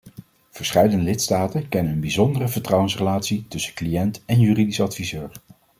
Verscheidene lidstaten kennen een bijzondere vertrouwensrelatie tussen cliënt en juridisch adviseur.